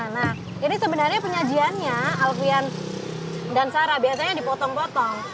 nah ini sebenarnya penyajiannya alfian dan sarah biasanya dipotong potong